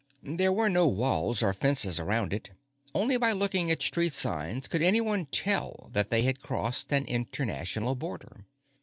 There were no walls or fences around it; only by looking at street signs could anyone tell that they had crossed an international border.